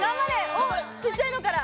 おっちっちゃいのから！